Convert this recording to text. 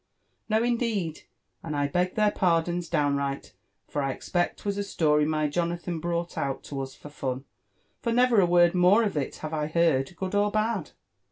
No, indeed ; and I beg their pardons downright, for I expect 'twas a story my Jonathan brought out to us for fun — for never a word more of it have I heard, good or bad.